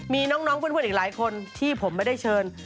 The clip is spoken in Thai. มีน้องเพื่อนอีกหลายคนที่ผมไม่ได้เชิญ